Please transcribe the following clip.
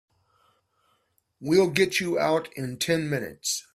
We'll get you out in ten minutes.